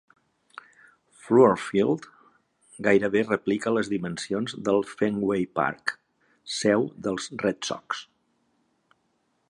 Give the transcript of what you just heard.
Fluor Field gairebé replica les dimensions del Fenway Park, seu dels Red Sox.